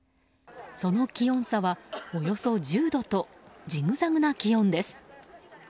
その気温差はおよそ１０度とジグザグな気温です。